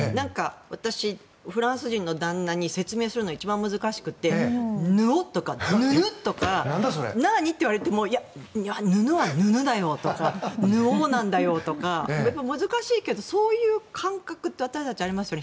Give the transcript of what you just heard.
私、フランス人の旦那に説明するの一番難しくてヌオッとかヌルッとか何？って言われてもヌヌはヌヌだよとかヌオなんだよとか難しいけどそういう感覚って私たちありますよね。